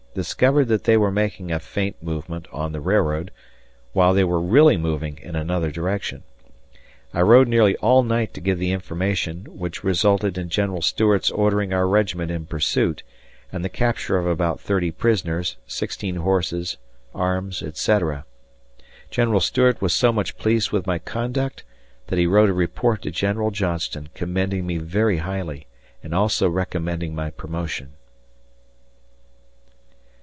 discovered that they were making a feint movement on the railroad, while they were really moving in another direction. I rode nearly all night to give the information, which resulted in General Stuart's ordering our regiment in pursuit and the capture of about 30 prisoners, 16 horses, arms, etc. General Stuart was so much pleased with my conduct that he wrote a report to General Johnston commending me very highly and also recommending my promotion.